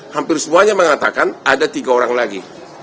hampir semuanya mengatakan ada tiga orang lagi